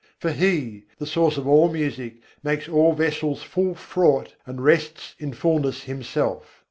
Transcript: For He, the Source of all music, makes all vessels full fraught, and rests in fullness Himself.